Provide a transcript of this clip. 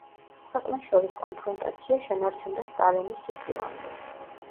ქვეყნებს შორის კონფრონტაცია შენარჩუნდა სტალინის სიკვდილამდე.